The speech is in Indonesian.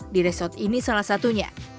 di resort ini salah satunya